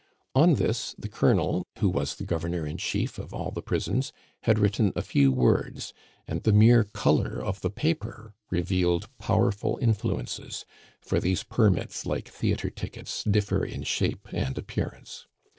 On this the Colonel, who was the Governor in Chief of all the prisons had written a few words, and the mere color of the paper revealed powerful influences; for these permits, like theatre tickets, differ in shape and appearance.